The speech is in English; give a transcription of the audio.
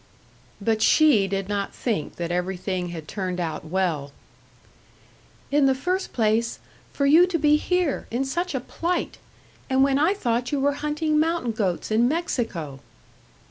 But she did not think that everything had turned out well. "In the first place, for you to be here, in such a plight! And when I thought you were hunting mountain goats in Mexico!"